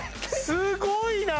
すごいな！